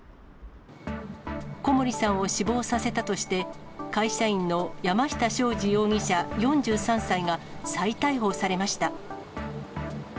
小森さんを死亡させたとして、会社員の山下昌司容疑者４３歳が再逮捕されました。